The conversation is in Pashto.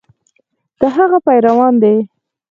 د هغه پیروان دي.